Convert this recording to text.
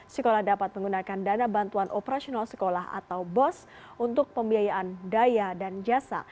sekolah dapat menggunakan dana bantuan operasional sekolah atau bos untuk pembiayaan daya dan jasa